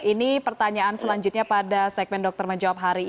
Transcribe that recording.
ini pertanyaan selanjutnya pada segmen dokter menjawab hari ini